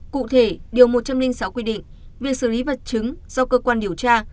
cụ thể điều một trăm linh sáu quy định việc xử lý vật chứng do cơ quan điều tra